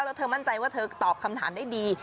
แล้วเธอมั่นใจว่าเธอตอบคำถามได้ดี